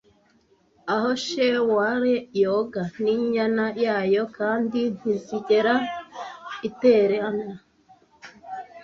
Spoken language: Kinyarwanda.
Aho she-whale yoga ninyana yayo kandi ntizigera itererana,